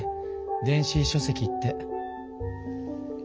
電子書せきって。